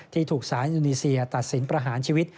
ถูกสารอินีเซียตัดสินประหารชีวิต